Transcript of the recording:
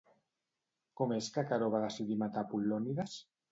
Com és que Queró va decidir matar Apol·lònides?